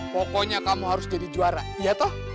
pokoknya kamu harus jadi juara iya toh